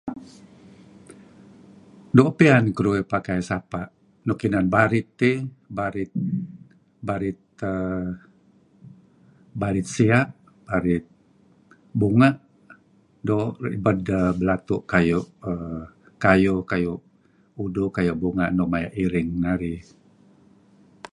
Doo' piyan keduih pakai sapa' nuk inan barit eh, barit barit err barit siya', barit bunga' doo' ribed belatu' kayu' kayuh, kayu' uduh, kayu' bunga' nuk maya' iring narih.